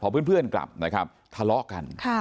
เพื่อนกลับนะครับทะเลาะกัน